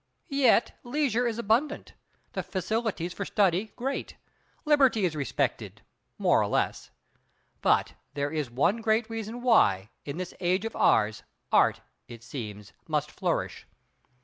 Yet, leisure is abundant; the facilities for study great; Liberty is respected—more or less. But, there is one great reason why, in this age of ours, Art, it seems, must flourish.